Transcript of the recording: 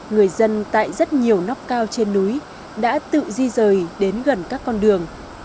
người dân tại rất nhiều nóc cao trên núi đã tự di rời đến gần các con đường